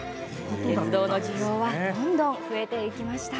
鉄道の需要はどんどん増えていきました。